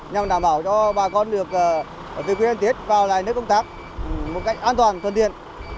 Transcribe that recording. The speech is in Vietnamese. nhằm đảm bảo cho bà con được ở tư quyền tiết vào lại nước công tác một cách an toàn tuần tiện